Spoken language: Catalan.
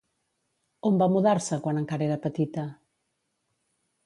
On va mudar-se quan encara era petita?